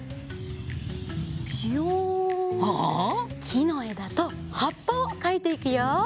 きのえだとはっぱをかいていくよ。